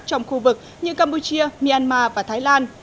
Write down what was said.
trong khu vực như campuchia myanmar và thái lan